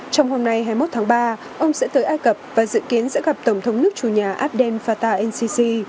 trong hôm nay hai mươi một tháng ba ông sẽ tới ai cập và dự kiến sẽ gặp tổng thống nước chủ nhà abdel fattah el sisi